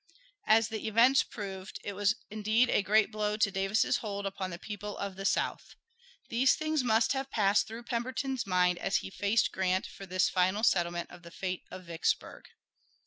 As the events proved, it was indeed a great blow to Davis's hold upon the people of the South. These things must have passed through Pemberton's mind as he faced Grant for this final settlement of the fate of Vicksburg.